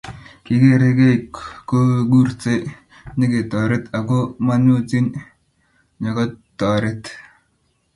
kikerei kei ko kursei nyeketoret ako manyo chi nyokotoret